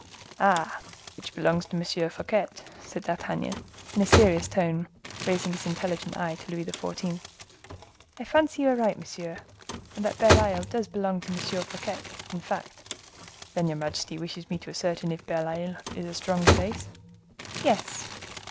"Ah! which belongs to M. Fouquet!" said D'Artagnan, in a serious tone, raising his intelligent eye to Louis XIV. "I fancy you are right, monsieur, and that Bell Isle does belong to M. Fouquet, in fact." "Then your majesty wishes me to ascertain if Belle Isle is a strong place?" "Yes."